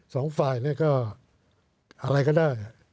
สองฝ่ายเนี่ยก็อะไรก็ได้